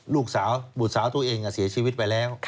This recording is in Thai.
ลูกสาวบุตรสาวตัวเองเสียชีวิตไปแล้ว